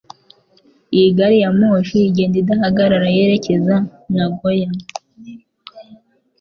Iyi gari ya moshi igenda idahagarara yerekeza Nagoya